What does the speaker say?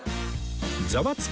『ザワつく！